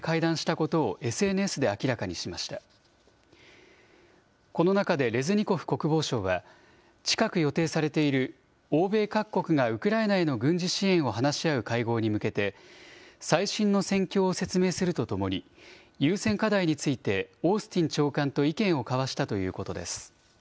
この中でレズニコフ国防相は、近く予定されている欧米各国がウクライナへの軍事支援を話し合う会合に向けて、最新の戦況を説明するとともに、優先課題について、オースティン長官と意見を交わしたということです。